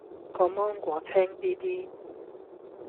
個芒果青咇咇